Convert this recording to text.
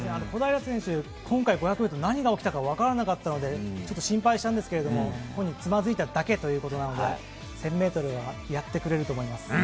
小平選手は今回５００で何が起きたか分からなかったのでちょっと心配したんですが本人、つまずいただけということで１０００ｍはやってくれると思います。